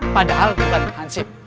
padahal bukan hansip